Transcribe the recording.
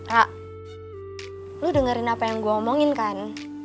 ra lu dengerin apa yang gua omongin kan